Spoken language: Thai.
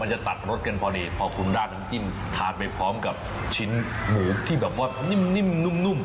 มันจะตัดรสกันพอดีพอปรุงราดน้ำจิ้มทานไปพร้อมกับชิ้นหมูที่แบบว่านิ่มนุ่ม